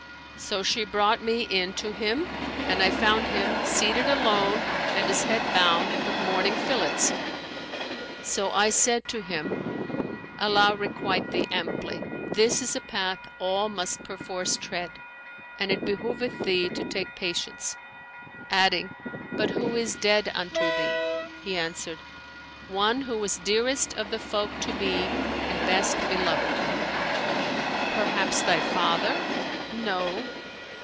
So she brought me in to him, and I found him seated alone and his head bound with mourning fillets. So I said to him, Allah requite thee amply! this is a path all must perforce tread, and it behoveth thee to take patience;' adding, But who is dead unto thee?' He answered, One who was dearest of the folk to me, and best beloved.' Perhaps thy father?' No!'